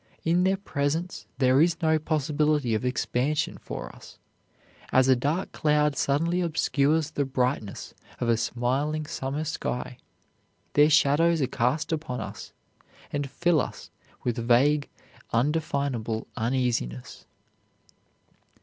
In their presence there is no possibility of expansion for us. As a dark cloud suddenly obscures the brightness of a smiling summer sky, their shadows are cast upon us and fill us with vague, undefinable uneasiness.